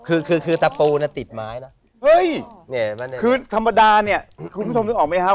คือคือคือตะปูน่ะติดไม้นะเฮ้ยเนี่ยคือธรรมดาเนี่ยคุณผู้ชมนึกออกไหมครับ